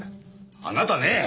あなたね！